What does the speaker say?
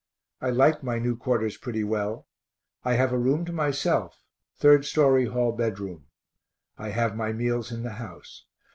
I like my new quarters pretty well I have a room to myself, 3d story hall bedroom. I have my meals in the house.